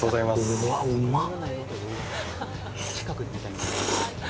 うわぁ、うまっ！